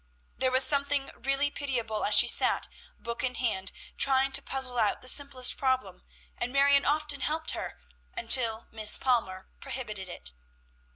There was something really pitiable as she sat, book in hand, trying to puzzle out the simplest problem, and Marion often helped her, until Miss Palmer prohibited it.